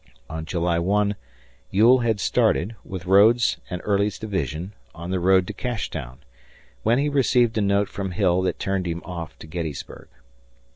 On July 1 Ewell had started, with Rodes's and Early's divisions, on the road to Cashtown, when he received a note from Hill that turned him off to Gettysburg.